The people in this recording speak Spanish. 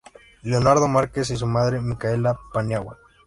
Leonardo Márquez y su madre Micaela Paniagua.